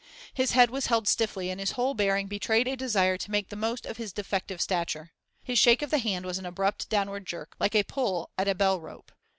His head was held stiffly, and his whole bearing betrayed a desire to make the most of his defective stature. His shake of the hand was an abrupt downward jerk, like a pull at a bell rope.